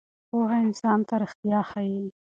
پوهه انسان ته ریښتیا ښیي.